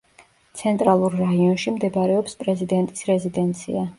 ცენტრალურ რაიონში მდებარეობს პრეზიდენტის რეზიდენცია.